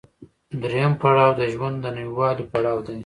درېیم پړاو د ژوند د نويوالي پړاو دی